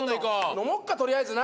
飲もっか取りあえずな。